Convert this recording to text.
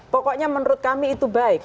pokoknya menurut kami itu baik